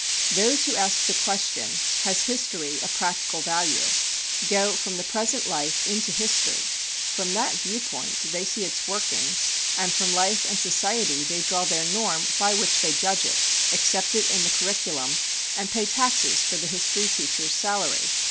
Those who ask the question, has history a practical value, go from the present life into history. From that viewpoint they see its workings, and from life and society they draw their norm by which they judge it, accept it in the curriculum and pay taxes for the history teacher's salary.